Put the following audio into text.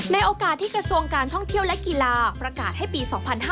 โอกาสที่กระทรวงการท่องเที่ยวและกีฬาประกาศให้ปี๒๕๕๙